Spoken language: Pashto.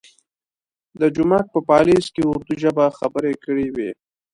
د جومک په پالیز کې اردو ژبه خبرې کړې وې.